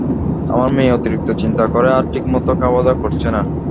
আমার মেয়ে অতিরিক্ত চিন্তা করে আর ঠিকমত খাওয়া দাওয়া করছে না।